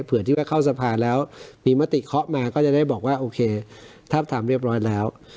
เผื่อที่จะเข้าสะพานแล้วมีมติเคาะมาก็จะได้บอกว่าโอเคทับถามเรียบร้อยแล้ว